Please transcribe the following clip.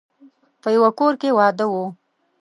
په يوه کور کې واده و.